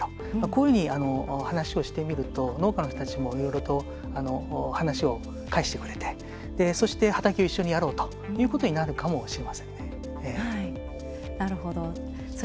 こういうふうに話をしてみると農家の人たちも、いろいろ話を返してくれてそして、畑を一緒にやろうということになるかもしれません。